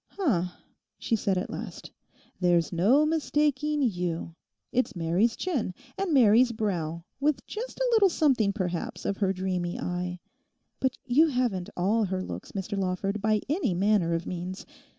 'H'm,' she said at last. 'There's no mistaking you. It's Mary's chin, and Mary's brow—with just a little something, perhaps, of her dreamy eye. But you haven't all her looks, Mr Lawford, by any manner of means.